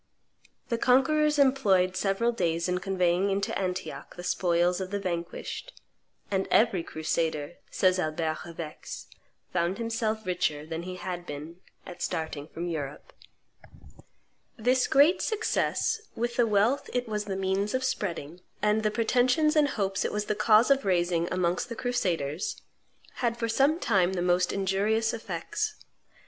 The conquerors employed several days in conveying into Antioch the spoils of the vanquished; and "every crusader," says Albert of Aix, "found himself richer than he had been at starting from Europe." This great success, with the wealth it was the means of spreading, and the pretensions and hopes it was the cause of raising amongst the crusaders, had for some time the most injurious effects.